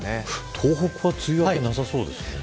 東北は梅雨明けなさそうですか。